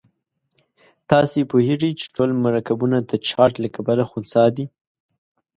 تاسې پوهیږئ چې ټول مرکبونه د چارج له کبله خنثی دي.